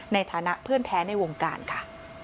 ในฐานะเพื่อนแท้ในวงการค่ะ